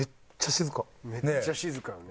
めっちゃ静かやね。